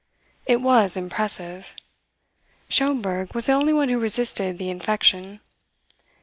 It was impressive. Schomberg was the only one who resisted the infection.